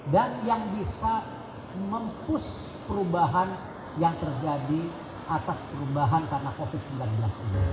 dan yang bisa mempus perubahan yang terjadi atas perubahan karena covid sembilan belas ini